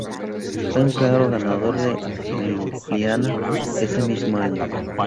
Fue un claro ganador en Liubliana ese mismo año.